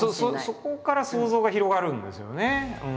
そこから想像が広がるんですよね。